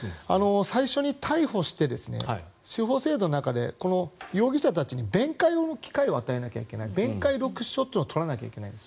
最初に逮捕して司法制度の中で容疑者たちに弁解の機会を与えなきゃいけない弁解録取書というのを取らなきゃいけないんです。